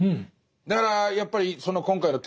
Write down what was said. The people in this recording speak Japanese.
だからやっぱりその今回のテーマのね